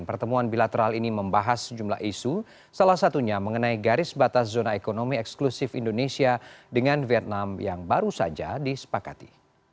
pertemuan bilateral ini membahas jumlah isu salah satunya mengenai garis batas zona ekonomi eksklusif indonesia dengan vietnam yang baru saja disepakati